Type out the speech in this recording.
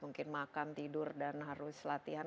mungkin makan tidur dan harus latihan